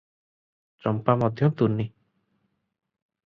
ଚମ୍ପା ମଧ୍ୟ ତୁନି ।